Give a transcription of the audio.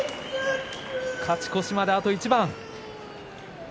勝ち越しまであと一番。